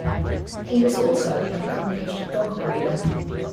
He was also an accomplished dog breeder.